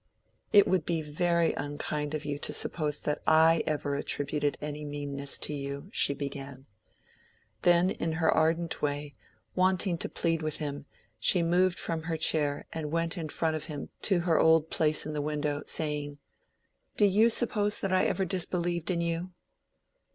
"It would be very unkind of you to suppose that I ever attributed any meanness to you," she began. Then in her ardent way, wanting to plead with him, she moved from her chair and went in front of him to her old place in the window, saying, "Do you suppose that I ever disbelieved in you?"